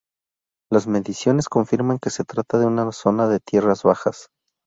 Las mediciones confirman que se trata de una zona de tierras bajas.